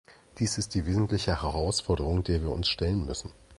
Dies ist die wesentliche Herausforderung, der wir uns stellen müssen.